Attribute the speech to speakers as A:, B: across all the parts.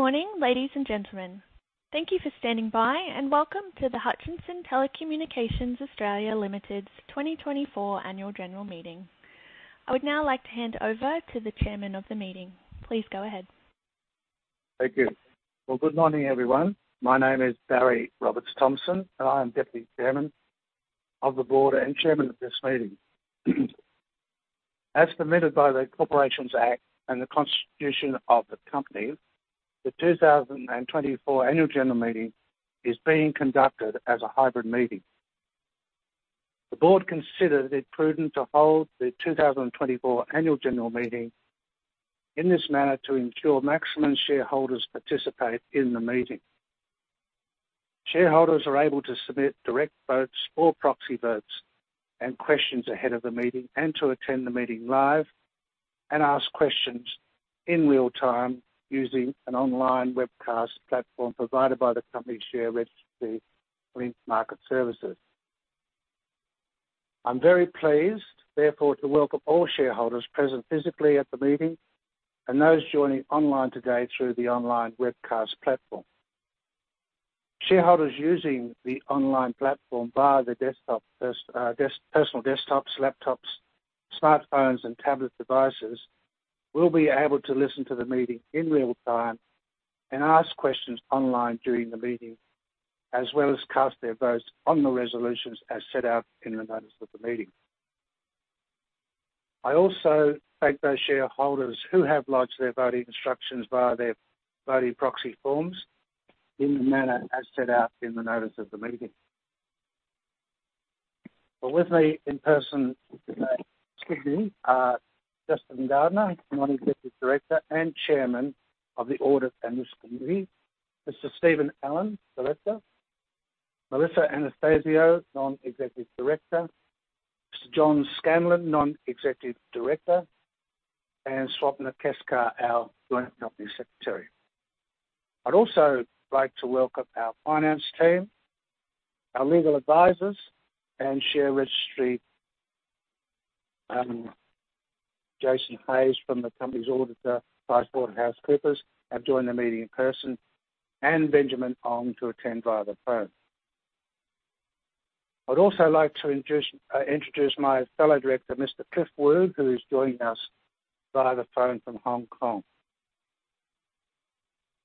A: Morning, ladies and gentlemen. Thank you for standing by, and welcome to the Hutchison Telecommunications (Australia) Limited's 2024 Annual General Meeting. I would now like to hand over to the Chairman of the meeting. Please go ahead.
B: Thank you. Well, good morning, everyone. My name is Barry Roberts-Thomson, and I am Deputy Chairman of the Board and Chairman of this meeting. As permitted by the Corporations Act and the Constitution of the Company, the 2024 Annual General Meeting is being conducted as a hybrid meeting. The Board considered it prudent to hold the 2024 Annual General Meeting in this manner to ensure maximum shareholders participate in the meeting. Shareholders are able to submit direct votes or proxy votes and questions ahead of the meeting, and to attend the meeting live and ask questions in real time using an online webcast platform provided by the company share registry, Link Market Services. I'm very pleased, therefore, to welcome all shareholders present physically at the meeting and those joining online today through the online webcast platform. Shareholders using the online platform via their desktop, personal desktops, laptops, smartphones, and tablet devices will be able to listen to the meeting in real time and ask questions online during the meeting, as well as cast their votes on the resolutions as set out in the notice of the meeting. I also thank those shareholders who have lodged their voting instructions via their voting proxy forms in the manner as set out in the notice of the meeting. Well, with me in person today, Sydney, are Justin Gardener, Non-Executive Director and Chairman of the Audit and Risk Committee, Mr. Steven Allen, Director, Melissa Anastasiou, Non-Executive Director, Mr. John Scanlon, Non-Executive Director, and Swapna Keskar, our Joint Company Secretary. I'd also like to welcome our finance team, our legal advisors, and share registry, Jason Hayes from the company's Auditor, PricewaterhouseCoopers, have joined the meeting in person, and Benjamin Ong to attend via the phone. I'd also like to introduce my fellow director, Mr. Cliff Woo, who is joining us via the phone from Hong Kong.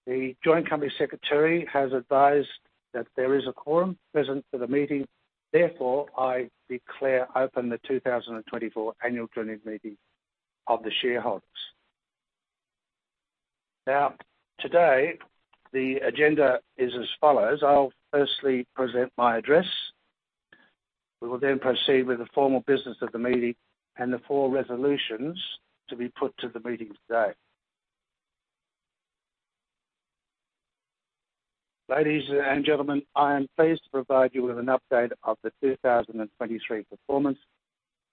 B: The joint company secretary has advised that there is a quorum present for the meeting. Therefore, I declare open the 2024 Annual General Meeting of the shareholders. Now, today, the agenda is as follows: I'll firstly present my address. We will then proceed with the formal business of the meeting and the four resolutions to be put to the meeting today. Ladies and gentlemen, I am pleased to provide you with an update of the 2023 performance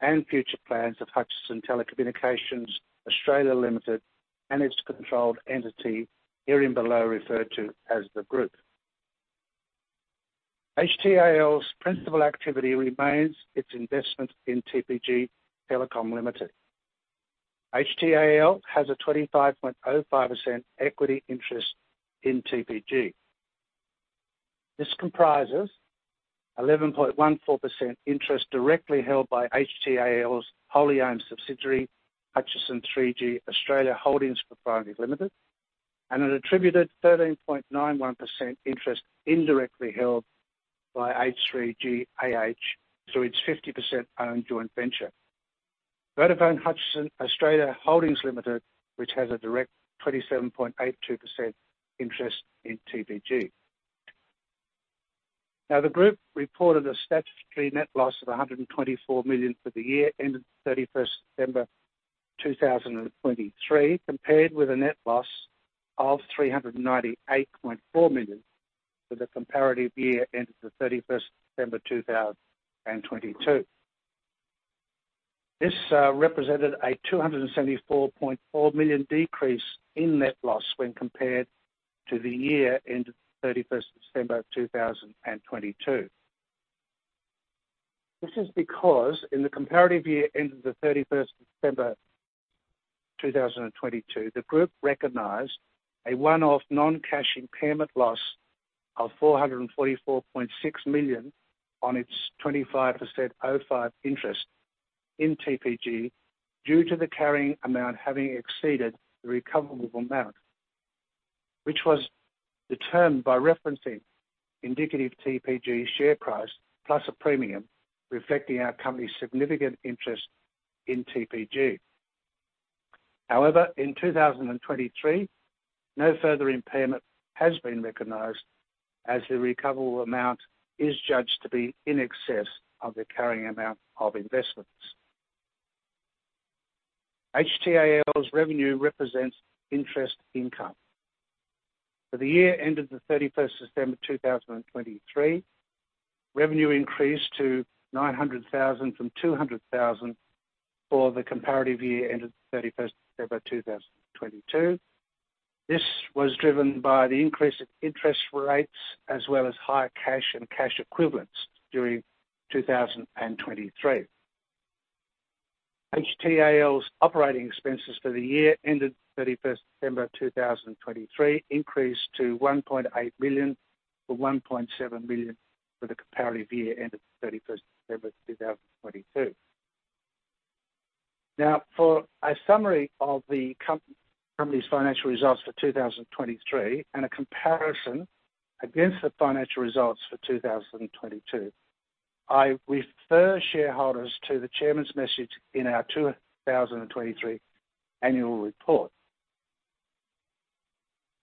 B: and future plans of Hutchison Telecommunications (Australia) Limited and its controlled entity, herein below, referred to as the group. HTAL's principal activity remains its investment in TPG Telecom Limited. HTAL has a 25.05% equity interest in TPG. This comprises 11.14% interest directly held by HTAL's wholly owned subsidiary, Hutchison 3G Australia Holdings Pty Limited, and an attributed 13.91% interest indirectly held by H3GAH through its 50% owned joint venture. Vodafone Hutchison (Australia) Holdings Limited, which has a direct 27.82% interest in TPG. Now, the group reported a statutory net loss of 124 million for the year ended 31st December 2023, compared with a net loss of 398.4 million for the comparative year ended 31st December 2022. This represented a 274.4 million decrease in net loss when compared to the year ended 31st December 2022. This is because in the comparative year ended 31st December 2022, the group recognized a one-off non-cash impairment loss of 444.6 million on its 25% ownership interest in TPG, due to the carrying amount having exceeded the recoverable amount, which was determined by referencing indicative TPG share price plus a premium, reflecting our company's significant interest in TPG. However, in 2023, no further impairment has been recognized as the recoverable amount is judged to be in excess of the carrying amount of investments. HTAL's revenue represents interest income. For the year ended 31st December 2023, revenue increased to 900,000 from 200,000 for the comparative year ended 31st December 2022. This was driven by the increase in interest rates as well as higher cash and cash equivalents during 2023.... HTAL's operating expenses for the year ended 31st December 2023 increased to 1.8 million, from 1.7 million for the comparative year ended 31st December 2022. Now, for a summary of the company's financial results for 2023, and a comparison against the financial results for 2022, I refer shareholders to the chairman's message in our 2023 annual report.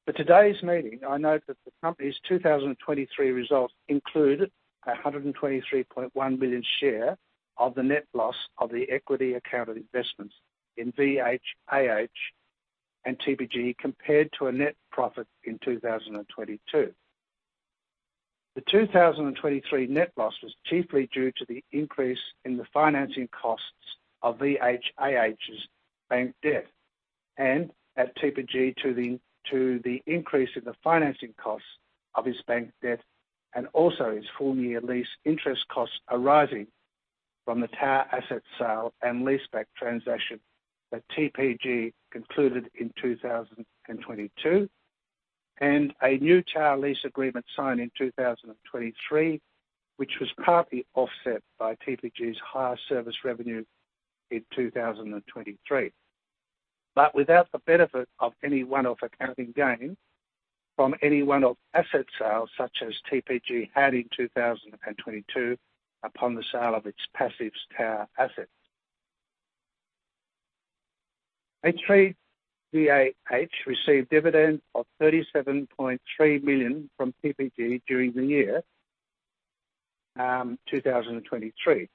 B: For today's meeting, I note that the company's 2023 results include 123.1 billion share of the net loss of the equity accounted investments in VHAH and TPG, compared to a net profit in 2022. The 2023 net loss was chiefly due to the increase in the financing costs of VHAH's bank debt, and at TPG, to the increase in the financing costs of its bank debt, and also its full year lease interest costs arising from the tower asset sale and leaseback transaction that TPG concluded in 2022. A new tower lease agreement signed in 2023, which was partly offset by TPG's higher service revenue in 2023. But without the benefit of any one-off accounting gain from any one-off asset sales, such as TPG had in 2022 upon the sale of its passive tower assets. HTAL received dividends of 37.3 million from TPG during the year 2023,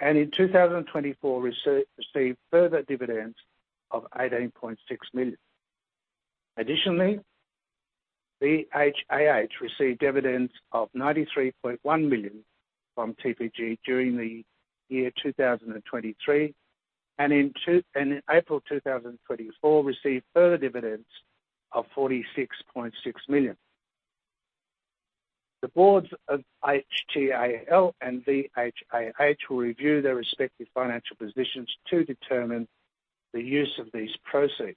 B: and in 2024, received further dividends of 18.6 million. Additionally, VHAH received dividends of 93.1 million from TPG during the year 2023, and in April 2024, received further dividends of 46.6 million. The Boards of HTAL and VHAH will review their respective financial positions to determine the use of these proceeds.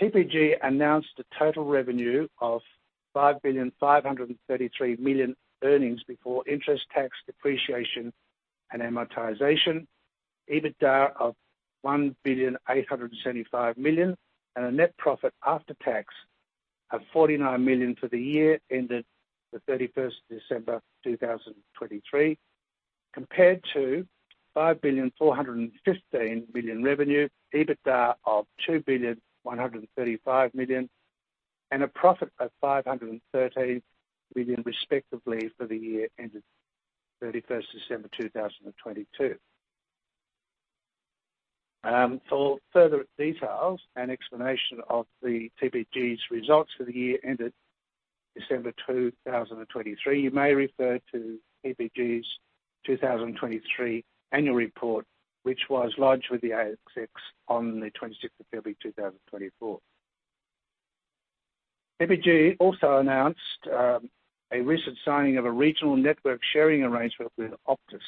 B: TPG announced a total revenue of 5,533,000,000 earnings before interest, tax, depreciation, and amortization, EBITDA of 1,875,000,000, and a net profit after tax of 49 million for the year ended the 31st December 2023, compared to 5,415,000,000 revenue, EBITDA of 2,135,000,000, and a profit of 530 million, respectively, for the year ended 31st December 2022. For further details and explanation of the TPG's results for the year ended December 2023, you may refer to TPG's 2023 annual report, which was lodged with the ASX on the 26th of February 2024. TPG also announced a recent signing of a regional network sharing arrangement with Optus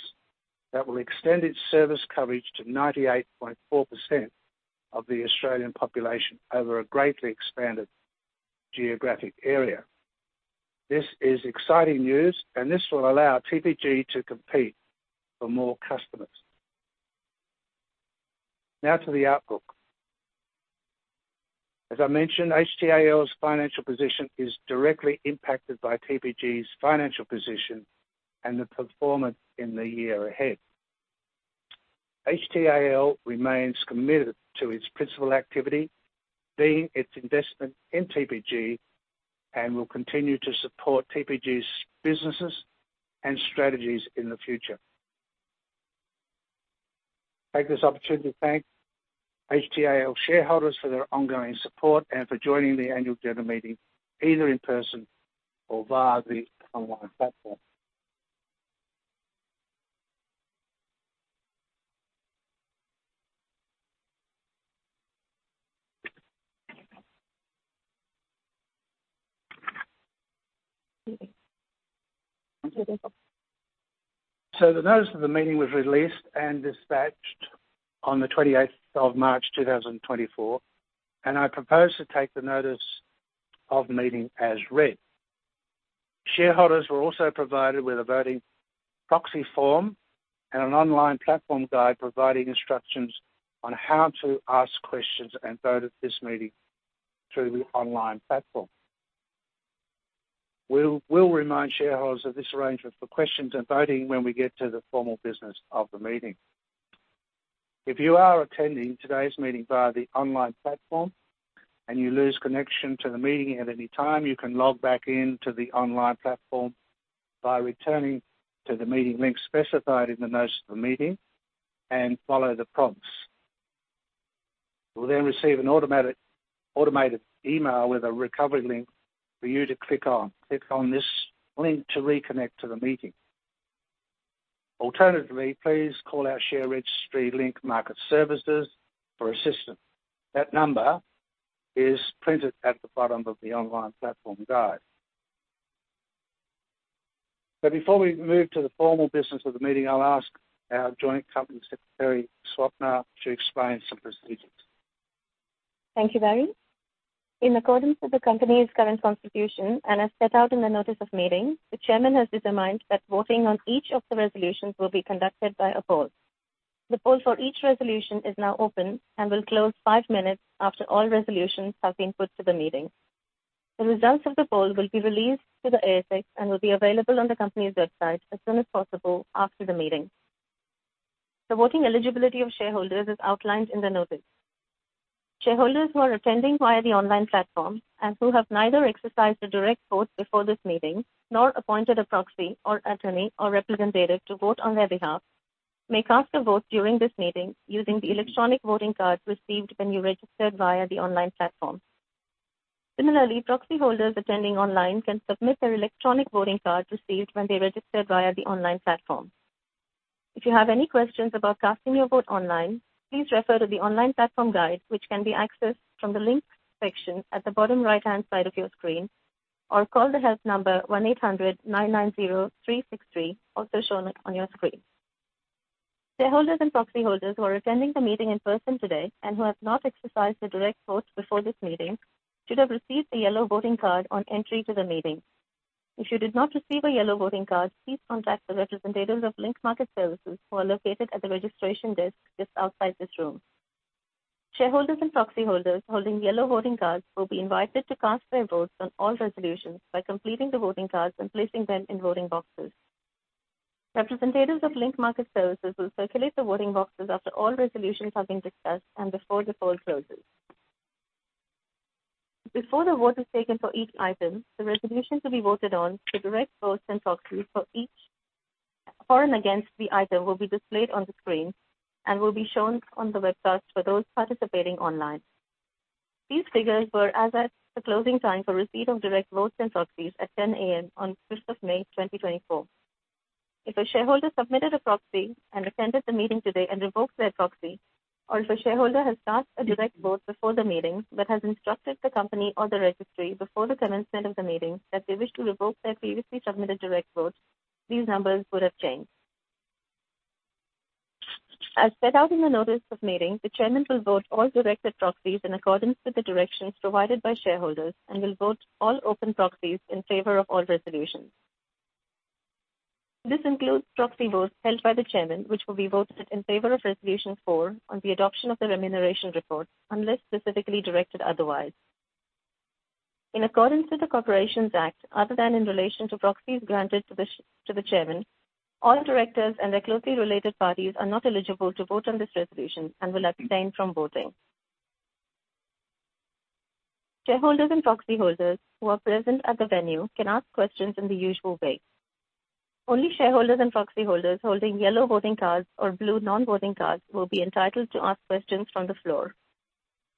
B: that will extend its service coverage to 98.4% of the Australian population over a greatly expanded geographic area. This is exciting news, and this will allow TPG to compete for more customers. Now to the outlook. As I mentioned, HTAL's financial position is directly impacted by TPG's financial position and the performance in the year ahead. HTAL remains committed to its principal activity, being its investment in TPG, and will continue to support TPG's businesses and strategies in the future. I take this opportunity to thank HTAL shareholders for their ongoing support and for joining the annual general meeting, either in person or via the online platform. So the notice of the meeting was released and dispatched on the 28th of March, 2024, and I propose to take the notice of the meeting as read. Shareholders were also provided with a voting proxy form and an online platform guide, providing instructions on how to ask questions and vote at this meeting through the online platform. We'll remind shareholders of this arrangement for questions and voting when we get to the formal business of the meeting. If you are attending today's meeting via the online platform, and you lose connection to the meeting at any time, you can log back in to the online platform by returning to the meeting link specified in the notice of the meeting and follow the prompts. You will then receive an automated email with a recovery link for you to click on. Click on this link to reconnect to the meeting. Alternatively, please call our share registry, Link Market Services, for assistance. That number is printed at the bottom of the online platform guide. But before we move to the formal business of the meeting, I'll ask our Joint Company Secretary, Swapna, to explain some procedures.
C: Thank you, Barry. In accordance with the company's current constitution, and as set out in the notice of meeting, the chairman has determined that voting on each of the resolutions will be conducted by a poll. The poll for each resolution is now open and will close five minutes after all resolutions have been put to the meeting. The results of the poll will be released to the ASX, and will be available on the company's website as soon as possible after the meeting. The voting eligibility of shareholders is outlined in the notice. Shareholders who are attending via the online platform, and who have neither exercised a direct vote before this meeting, nor appointed a proxy, or attorney, or representative to vote on their behalf, may cast a vote during this meeting using the electronic voting card received when you registered via the online platform. Similarly, proxy holders attending online can submit their electronic voting card received when they registered via the online platform. If you have any questions about casting your vote online, please refer to the online platform guide, which can be accessed from the links section at the bottom right-hand side of your screen, or call the help number 1800 990 363, also shown on your screen. Shareholders and proxy holders who are attending the meeting in person today, and who have not exercised their direct vote before this meeting, should have received a yellow voting card on entry to the meeting. If you did not receive a yellow voting card, please contact the representatives of Link Market Services, who are located at the registration desk just outside this room. Shareholders and proxy holders holding yellow voting cards will be invited to cast their votes on all resolutions by completing the voting cards and placing them in voting boxes. Representatives of Link Market Services will circulate the voting boxes after all resolutions have been discussed and before the poll closes. Before the vote is taken for each item, the resolution to be voted on, the direct votes and proxies for each, for and against the item, will be displayed on the screen and will be shown on the webcast for those participating online. These figures were as at the closing time for receipt of direct votes and proxies at 10:00 A.M. on the 5th of May, 2024. If a shareholder submitted a proxy and attended the meeting today and revoked their proxy, or if a shareholder has cast a direct vote before the meeting but has instructed the company or the registry before the commencement of the meeting that they wish to revoke their previously submitted direct vote, these numbers would have changed. As set out in the notice of meeting, the chairman will vote all directed proxies in accordance with the directions provided by shareholders and will vote all open proxies in favor of all resolutions. This includes proxy votes held by the chairman, which will be voted in favor of resolution four on the adoption of the Remuneration Report, unless specifically directed otherwise. In accordance with the Corporations Act, other than in relation to proxies granted to the chairman, all directors and their closely related parties are not eligible to vote on this resolution and will abstain from voting. Shareholders and proxy holders who are present at the venue can ask questions in the usual way. Only shareholders and proxy holders holding yellow voting cards or blue non-voting cards will be entitled to ask questions from the floor.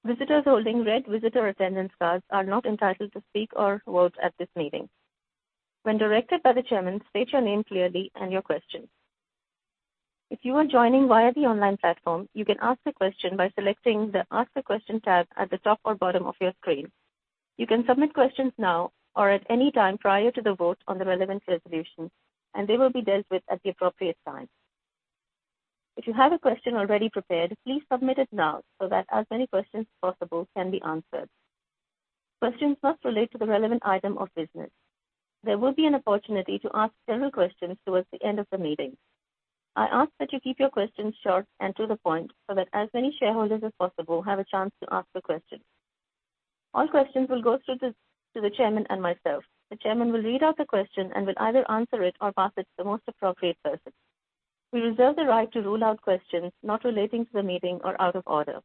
C: Visitors holding red visitor attendance cards are not entitled to speak or vote at this meeting. When directed by the chairman, state your name clearly and your question. If you are joining via the online platform, you can ask a question by selecting the Ask a Question tab at the top or bottom of your screen. You can submit questions now or at any time prior to the vote on the relevant resolution, and they will be dealt with at the appropriate time. If you have a question already prepared, please submit it now so that as many questions as possible can be answered. Questions must relate to the relevant item of business. There will be an opportunity to ask several questions towards the end of the meeting. I ask that you keep your questions short and to the point, so that as many shareholders as possible have a chance to ask a question. All questions will go through to the chairman and myself. The chairman will read out the question and will either answer it or pass it to the most appropriate person. We reserve the right to rule out questions not relating to the meeting or out of order.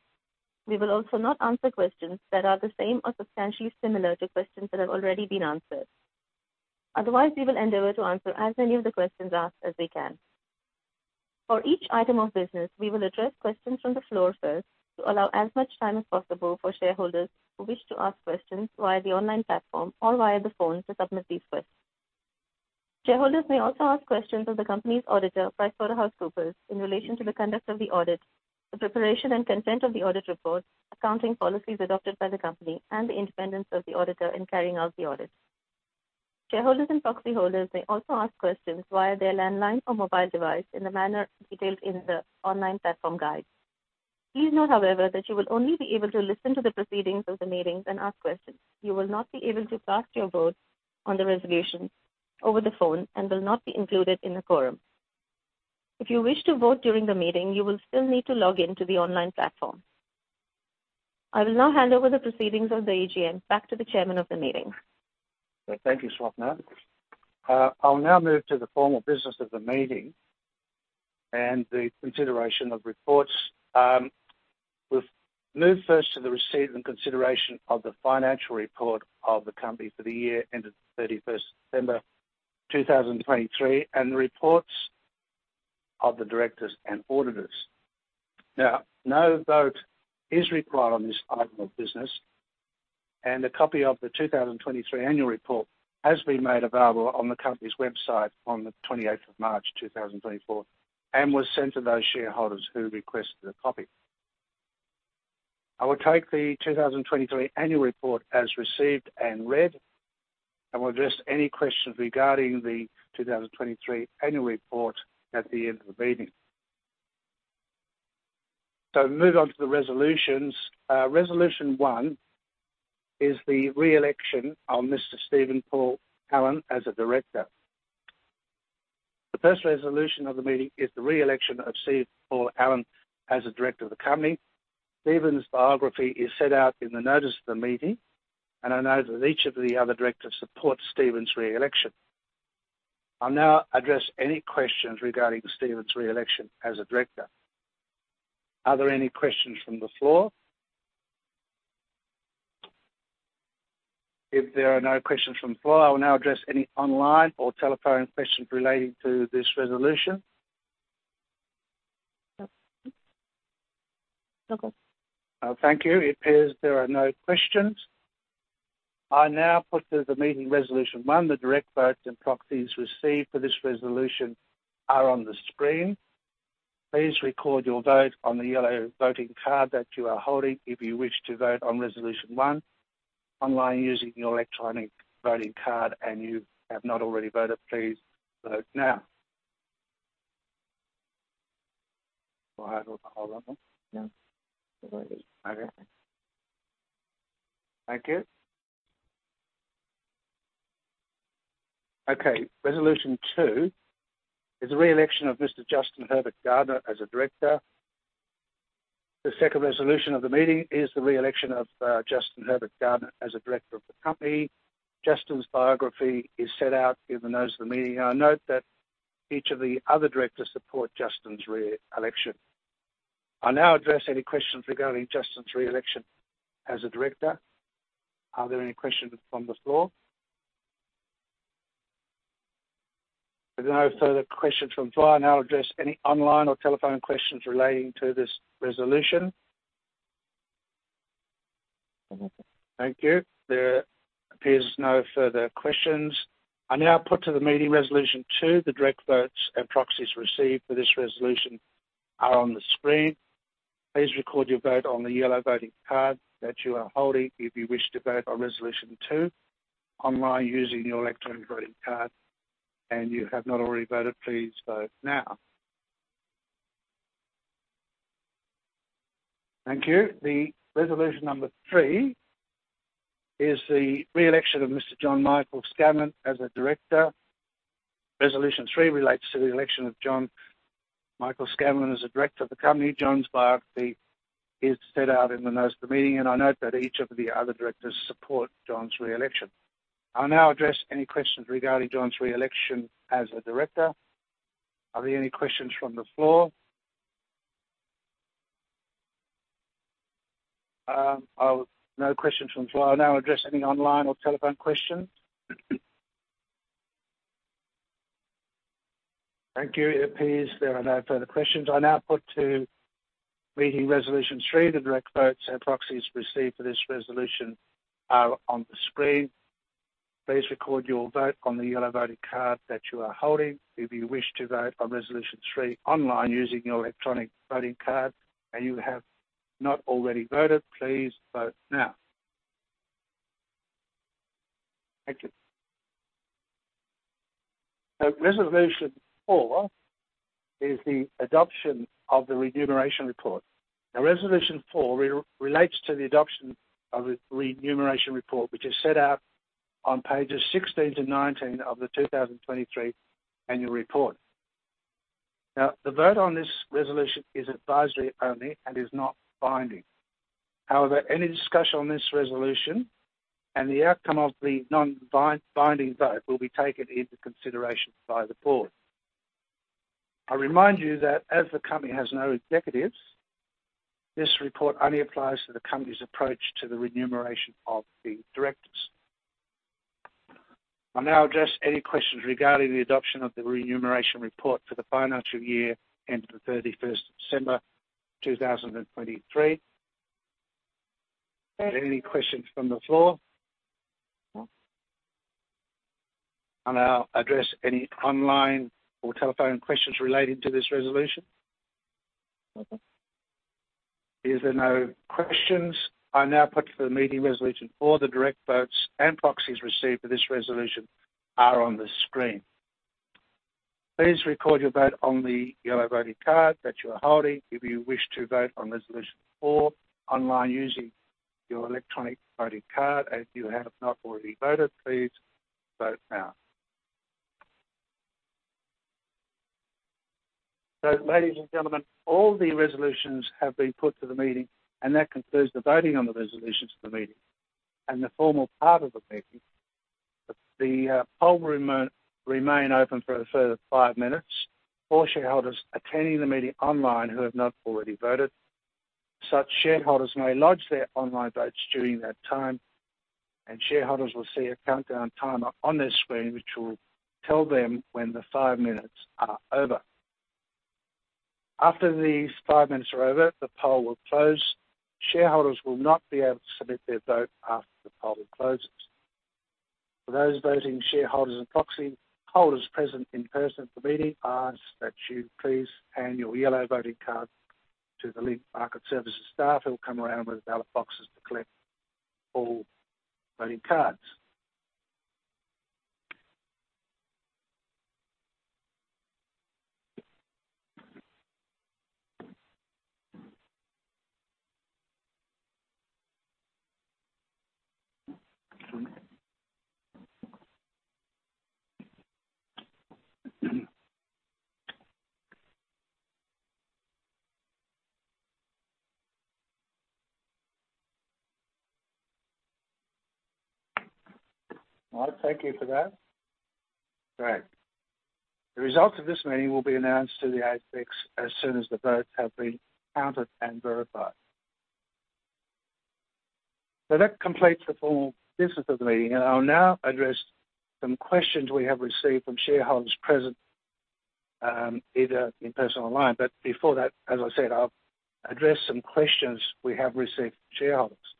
C: We will also not answer questions that are the same or substantially similar to questions that have already been answered. Otherwise, we will endeavor to answer as many of the questions asked as we can. For each item of business, we will address questions from the floor first, to allow as much time as possible for shareholders who wish to ask questions via the online platform or via the phone to submit these first. Shareholders may also ask questions of the company's Auditor, PricewaterhouseCoopers, in relation to the conduct of the audit, the preparation and content of the audit report, accounting policies adopted by the company, and the independence of the auditor in carrying out the audit. Shareholders and proxy holders may also ask questions via their landline or mobile device in the manner detailed in the online platform guide. Please note, however, that you will only be able to listen to the proceedings of the meeting and ask questions. You will not be able to cast your vote on the resolution over the phone and will not be included in the quorum. If you wish to vote during the meeting, you will still need to log in to the online platform. I will now hand over the proceedings of the AGM back to the chairman of the meeting.
B: Thank you, Swapna. I'll now move to the formal business of the meeting and the consideration of reports. We've moved first to the receipt and consideration of the financial report of the company for the year ended 31st December 2023, and the reports of the directors and auditors. Now, no vote is required on this item of business. A copy of the 2023 annual report has been made available on the company's website on the 28th of March 2024, and was sent to those shareholders who requested a copy. I will take the 2023 annual report as received and read, and we'll address any questions regarding the 2023 annual report at the end of the meeting. Move on to the resolutions. Resolution one is the re-election of Mr. Steven Paul Allen as a Director. The first resolution of the meeting is the re-election of Steve Paul Allen as a director of the company. Steven's biography is set out in the notice of the meeting, and I know that each of the other directors supports Steven's re-election. I'll now address any questions regarding Steven's re-election as a director. Are there any questions from the floor? If there are no questions from the floor, I will now address any online or telephone questions relating to this resolution. Thank you. It appears there are no questions. I now put to the meeting resolution one. The direct votes and proxies received for this resolution are on the screen. Please record your vote on the yellow voting card that you are holding if you wish to vote on resolution one. Online using your electronic voting card, and you have not already voted, please vote now. Okay. Thank you. Okay, resolution two is the re-election of Mr. Justin Gardener as a Director. The second resolution of the meeting is the re-election of Justin Gardener as a director of the company. Justin's biography is set out in the notice of the meeting. I note that each of the other directors support Justin's re-election. I'll now address any questions regarding Justin's re-election as a director. Are there any questions from the floor? If there are no further questions from the floor, I'll now address any online or telephone questions relating to this resolution. Thank you. There appears no further questions. I now put to the meeting resolution two. The direct votes and proxies received for this resolution are on the screen. Please record your vote on the yellow voting card that you are holding. If you wish to vote on resolution two online using your electronic voting card, and you have not already voted, please vote now. Thank you. The resolution number three is the re-election of Mr. John Michael Scanlon as a Director. Resolution three relates to the election of John Michael Scanlon as a director of the company. John's biography is set out in the notice of the meeting, and I note that each of the other directors support John's re-election. I'll now address any questions regarding John's re-election as a director. Are there any questions from the floor? No questions from the floor. I'll now address any online or telephone questions. Thank you. It appears there are no further questions. I now put to meeting resolution three. The direct votes and proxies received for this resolution are on the screen. Please record your vote on the yellow voting card that you are holding. If you wish to vote on resolution three online using your electronic voting card, and you have not already voted, please vote now. Thank you. Resolution four is the adoption of the Remuneration Report. Now, resolution four relates to the adoption of the Remuneration Report, which is set out on pages 16-19 of the 2023 annual report. Now, the vote on this resolution is advisory only and is not binding. However, any discussion on this resolution and the outcome of the non-binding vote will be taken into consideration by the Board. I remind you that as the company has no executives, this report only applies to the company's approach to the Remuneration Report of the directors. I'll now address any questions regarding the adoption of the Remuneration Report for the financial year ending the 31st of December, 2023. Are there any questions from the floor?
C: No.
B: I'll now address any online or telephone questions relating to this resolution. Is there no questions? I now put to the meeting resolution four. The direct votes and proxies received for this resolution are on the screen. Please record your vote on the yellow voting card that you are holding. If you wish to vote on resolution four online using your electronic voting card, and you have not already voted, please vote now. So ladies and gentlemen, all the resolutions have been put to the meeting, and that concludes the voting on the resolutions of the meeting and the formal part of the meeting. The poll remains open for a further five minutes for shareholders attending the meeting online who have not already voted. Such shareholders may lodge their online votes during that time, and shareholders will see a countdown timer on their screen, which will tell them when the five minutes are over. After these five minutes are over, the poll will close. Shareholders will not be able to submit their vote after the poll closes. For those voting shareholders and proxy holders present in person at the meeting, I ask that you please hand your yellow voting card to the Link Market Services staff, who will come around with ballot boxes to collect all voting cards. Well, thank you for that. Great. The results of this meeting will be announced to the ASX as soon as the votes have been counted and verified. So that completes the full business of the meeting, and I'll now address some questions we have received from shareholders present, either in person or online. But before that, as I said, I'll address some questions we have received from shareholders.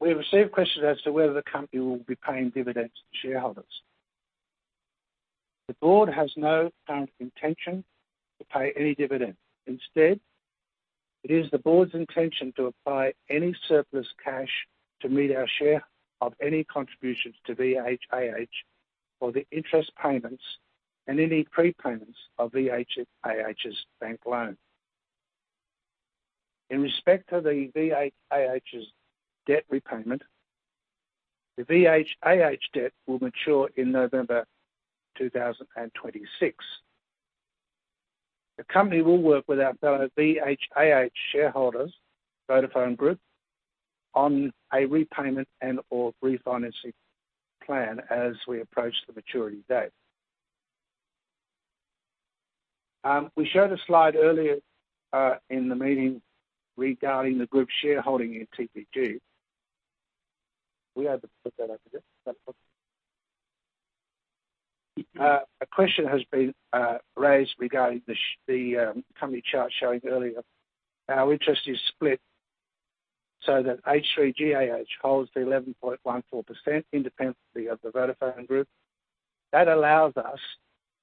B: We received questions as to whether the company will be paying dividends to shareholders. The Board has no current intention to pay any dividend. Instead, it is the Board's intention to apply any surplus cash to meet our share of any contributions to VHAH or the interest payments and any prepayments of VHAH's bank loan. In respect to the VHAH's debt repayment, the VHAH debt will mature in November 2026. The company will work with our fellow VHAH shareholders, Vodafone Group, on a repayment and/or refinancing plan as we approach the maturity date. We showed a slide earlier, in the meeting regarding the group's shareholding in TPG. We had to put that up again? A question has been raised regarding the company chart showing earlier. Our interest is split so that H3GAH holds the 11.14% independently of the Vodafone Group. That allows us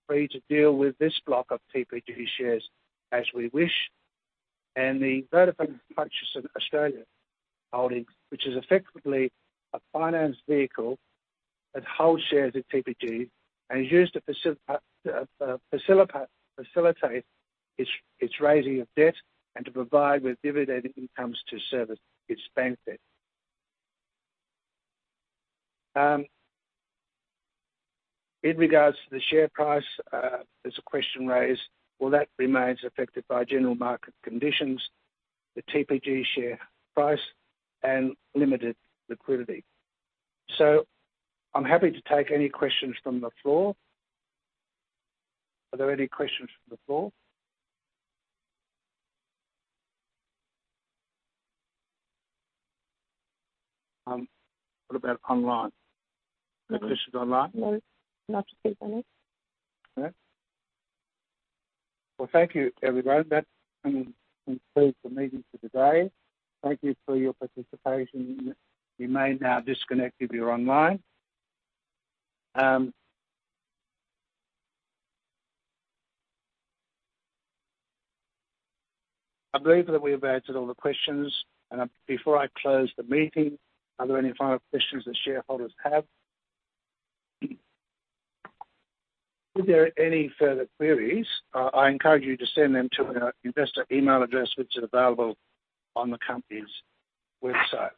B: free to deal with this block of TPG shares as we wish, and the Vodafone Hutchison Australia Holdings, which is effectively a finance vehicle that holds shares in TPG and is used to facilitate its raising of debt and to provide with dividend incomes to service its bank debt. In regards to the share price, there's a question raised. Well, that remains affected by general market conditions, the TPG share price, and limited liquidity. So I'm happy to take any questions from the floor. Are there any questions from the floor? What about online? Any questions online?
C: No, not to see any.
B: Okay. Well, thank you, everyone. That concludes the meeting for today. Thank you for your participation. You may now disconnect if you're online. I believe that we have answered all the questions, and before I close the meeting, are there any final questions that shareholders have? If there are any further queries, I encourage you to send them to our investor email address, which is available on the company's website.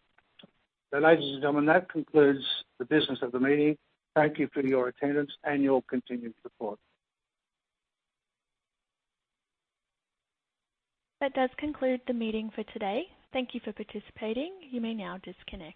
B: So ladies and gentlemen, that concludes the business of the meeting. Thank you for your attendance and your continued support.
A: That does conclude the meeting for today. Thank you for participating. You may now disconnect.